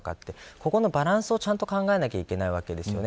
ここのバランスを、ちゃんと考えなきゃいけないわけですね。